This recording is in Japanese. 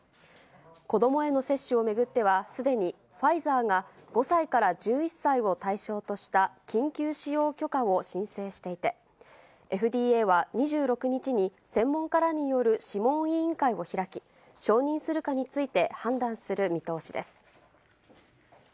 子どもへの接種を巡っては、すでにファイザーが、５歳から１１歳を対象とした緊急使用許可を申請していて、ＦＤＡは２６日に、専門家らによる諮問委員会を開き、承認するかについて判断する見通しです。